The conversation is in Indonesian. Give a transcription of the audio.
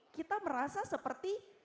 kita merasa seperti